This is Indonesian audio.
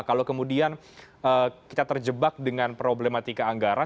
kalau kemudian kita terjebak dengan problematika anggaran